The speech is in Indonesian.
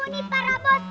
tau nih para bos